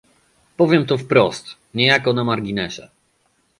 Powiem to wprost, niejako na marginesie